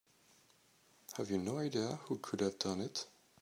Have you no idea who could have done it?